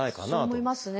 そう思いますね。